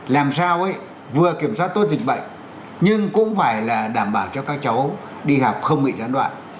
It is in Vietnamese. làm sao vừa kiểm soát tốt dịch bệnh nhưng cũng phải là đảm bảo cho các cháu đi học không bị gián đoạn